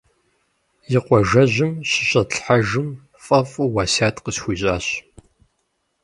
И къуажэжьым щыщӏэтлъхьэжым фӏэфӏу уэсят къысхуищӏащ.